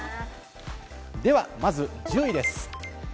ではまず１０位です。